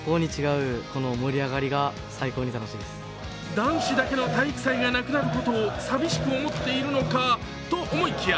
男子だけの体育祭がなくなることを寂しく思っているのかと思いきや